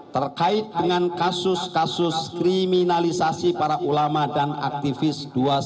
terkait dengan kasus kasus kriminalisasi para ulama dan aktivis dua ratus dua belas